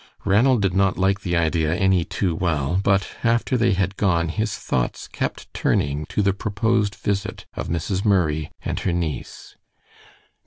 Ranald did not like the idea any too well, but after they had gone his thoughts kept turning to the proposed visit of Mrs. Murray and her niece.